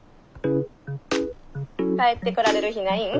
帰ってこられる日ないん？